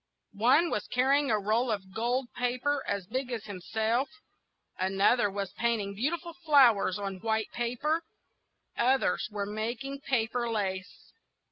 One was carrying a roll of gold paper as big as himself; another was painting beautiful flowers on white paper; others were making paper lace.